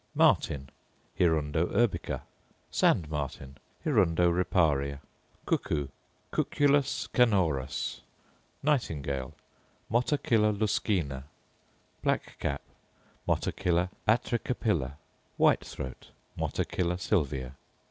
_ Martin, Hirundo urbica. Sand martin, Hirundo riparia. Cuckoo, Cuculus canorus. Nightingale, Motacilla luscinia. Black cap, Motacilla atricapilla. White throat, _Motacilla sylvia.